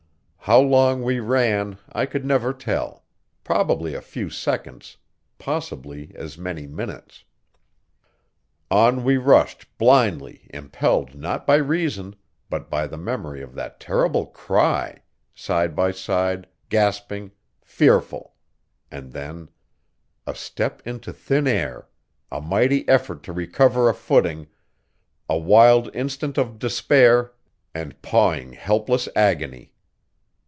How long we ran I could never tell; probably a few seconds, possibly as many minutes. On we rushed, blindly, impelled not by reason, but by the memory of that terrible cry, side by side, gasping, fearful. And then A step into thin air a mighty effort to recover a footing a wild instant of despair and pawing helpless agony.